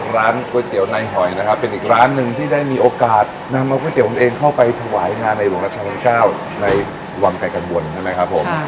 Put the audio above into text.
ร้านก๋วยเตี๋ยวในหอยนะครับเป็นอีกร้านหนึ่งที่ได้มีโอกาสนำเอาก๋วเตี๋ผมเองเข้าไปถวายงานในหลวงรัชกาลเก้าในวังไกลกังวลใช่ไหมครับผม